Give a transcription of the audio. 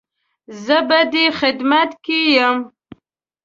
زه به دې خدمت کې يم